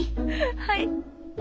はい。